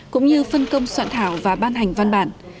cũng như phân công soạn thảo và ban hành văn bản